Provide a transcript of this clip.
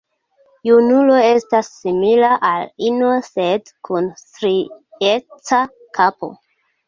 Junulo estas simila al ino, sed kun strieca kapo.